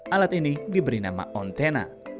alat ini diberi nama ontena